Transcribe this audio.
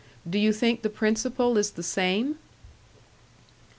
Do you think the principle is the same?"